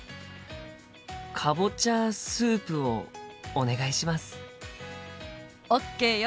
かぼちゃスープをお願いします。ＯＫよ。